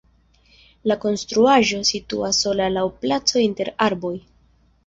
La konstruaĵo situas sola laŭ placo inter arboj.